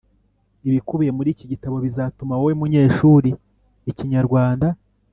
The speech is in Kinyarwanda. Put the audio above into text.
Ibikubiye muri iki gitabo, bizatuma wowe munyeshuri, Ikinyarwanda